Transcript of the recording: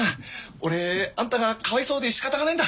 俺あんたがかわいそうでしかたがねえんだ。